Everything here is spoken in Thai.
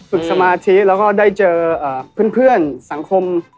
สมาธิแล้วก็ได้เจอเพื่อนสังคม